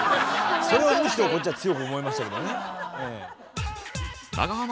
それをむしろこっちは強く思いましたけどね。